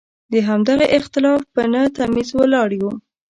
د همدغه اختلاف په نه تمیز ولاړ یو.